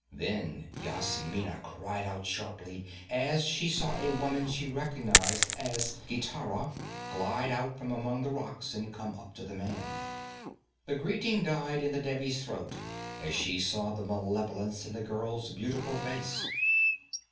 Then Yasmina cried out sharply as she saw a woman she recognized as Gitara glide out from among the rocks and come up to the man. The greeting died in the Devi's throat as she saw the malevolence in the girl's beautiful face.